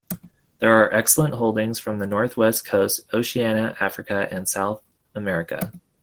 There are excellent holdings from the Northwest Coast, Oceania, Africa, and South America.